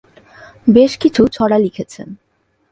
বেশকিছু ছড়া লিখেছেন।